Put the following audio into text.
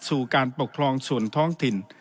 สู่การปกครองส่วนท้องถิ่น